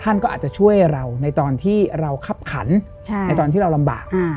ท่านก็อาจจะช่วยเราในตอนที่เราคับขันในตอนที่เราลำบาก